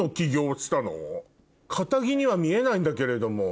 堅気には見えないんだけれども。